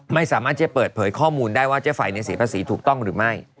ไม่สามารถจะเปิดเผยข้อมูลได้ว่าเจ๊ไฟเสียภาษีถูกต้องหรือไม่